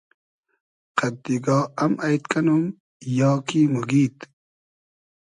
قئد دیگا ام اݷد کئنوم یا کی موگیید؟